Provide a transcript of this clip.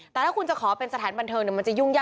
แต่ถ้าคุณจะขอเป็นสถานบันเทิงมันจะยุ่งยาก